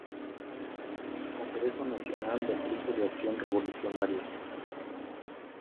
Congreso Nacional del Grupo de Acción Revolucionaria.